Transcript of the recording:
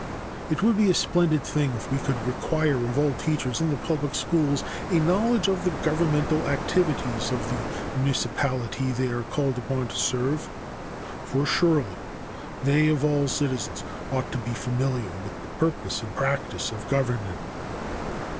It would be a splendid thing if we could require of all teachers in the public schools a knowledge of the governmental activities of the municipality they are called upon to serve, for surely they of all citizens, ought to be familiar with the purpose and practice of government.